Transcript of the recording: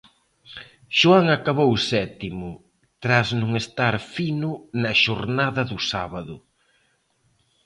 Xoán acabou sétimo, tras non estar fino na xornada do sábado.